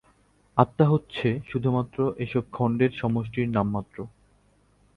আত্মা হচ্ছে শুধুমাত্র এসব খন্ডের সমষ্টির নাম মাত্র।